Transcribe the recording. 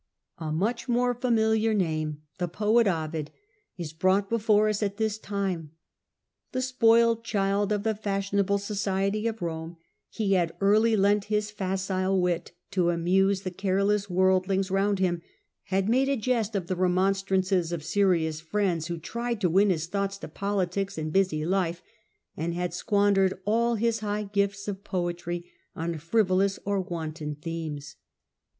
A much more familiar name, the poet Ovid, is brought before us at this time. The spoiled child of the fashionable society of Rome, he had early lent his facile wit to amuse the careless worldlings round him, had made a jest of the remon strances of serious friends, who tried to win his thoughts to politics and busy life, and had squandered all his high gifts of poetry on frivolous or wanton themes.